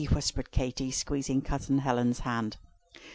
whispered Katy, squeezing Cousin Helen's hand.